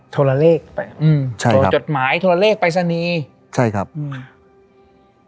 โทรเลขไปอืมใช่โทรจดหมายโทรเลขปรายศนีย์ใช่ครับอืม